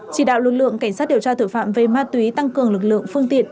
chỉ đạo lực lượng cảnh sát điều tra tội phạm về ma túy tăng cường lực lượng phương tiện